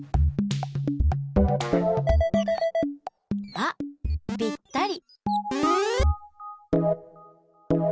あっぴったり！